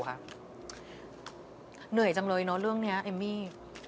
เหนื่อยจังเลยเรื่องนี้เอมไม่